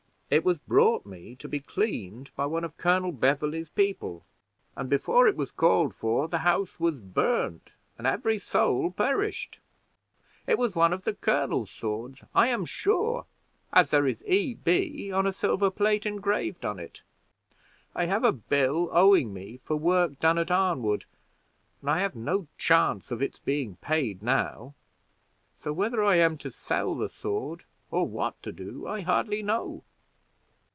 It was brought me to be cleaned by one of Colonel Beverley's people, and before it was called for the house was burned, and every soul perished. It was one of the colonel's swords, I am sure, as there is E. B. on a silver plate engraved on it. I have a bill owing me for work done at Arnwood, and I have no chance of its being paid now; so, whether I am to sell the sword, or what to do, I hardly know."